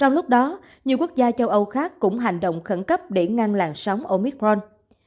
trong lúc đó nhiều quốc gia châu âu khác cũng hành động khẩn cấp để ngăn làn sóng omithon